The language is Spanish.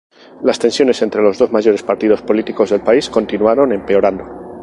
Las tensiones entre los dos mayores partidos políticos del país continuaron empeorando.